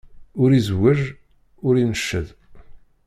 Ur izewweǧ, ur inecced.